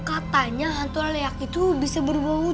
katanya hantu leyak itu bisa berbau ujung